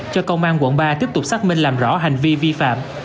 cho công an quận ba tiếp tục xác minh làm rõ hành vi vi phạm